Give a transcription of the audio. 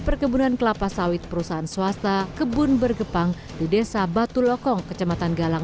perkebunan kelapa sawit perusahaan swasta kebun bergepang di desa batu lokong kecamatan galang